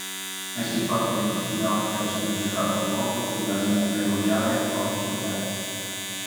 È situato venti chilometri a sud del capoluogo, sulla linea ferroviaria Foggia-Potenza.